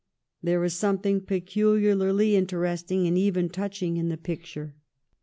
There is something peculiarly interesting and even touching in the picture.